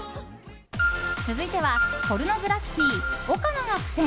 続いてはポルノグラフィティ岡野が苦戦！